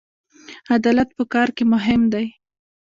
عدالت په کار کې مهم دی